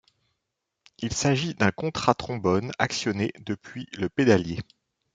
Il s'agit d'un Contra-Trombone actionné depuis le pédalier.